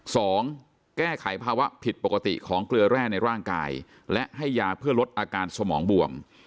สองแก้ไขภาวะผิดปกติของเกลือแร่ในร่างกายและให้ยาเพื่อลดอาการสมองบวม